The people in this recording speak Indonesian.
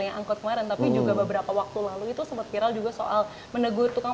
yang angkut kemarin tapi juga beberapa waktu lalu itu sempat viral juga soal menegur tukang